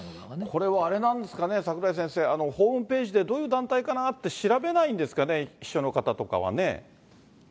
これはあれなんですかね、櫻井先生、ホームページでどういう団体かなって調べないんですかね、秘書の方とかはね。